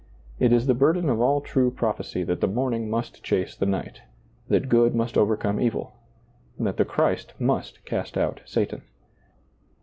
It is the burden of all true prophecy that the morning must chase the night ; that good must overcome evil ; that the Christ must cast out Satan.